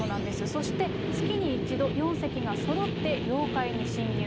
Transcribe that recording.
そして、月に１度、４隻がそろって領海に侵入。